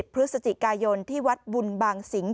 พฤศจิกายนที่วัดบุญบางสิงห